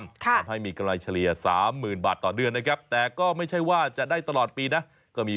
แต่ก็ถือว่าเป็นอาชีพเสริมที่ดีเพราะว่ามันเลี้ยงง่ายไง